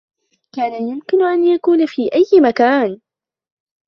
كان يمكن أن يكون في أي مكان.